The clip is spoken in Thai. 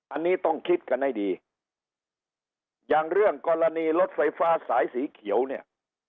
อันนี้ต้องคิดกันให้ดีอย่างเรื่องกรณีรถไฟฟ้าสายสีเขียวเนี่ย